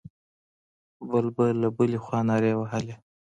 بل به له بلې خوا نارې وهلې.